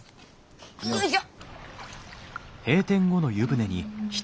よいしょ。